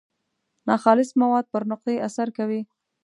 ناخالص مواد پر نقطې اثر کوي.